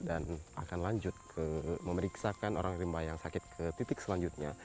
dan akan lanjut memeriksakan orang rimba yang sakit ke titik selanjutnya